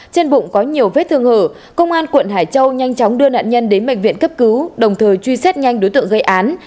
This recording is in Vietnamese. trên bụng có nhiều vết thương hở công an quận hải châu nhanh chóng đưa nạn nhân đến bệnh viện cấp cứu đồng thời truy xét nhanh đối tượng gây án